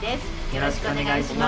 よろしくお願いします。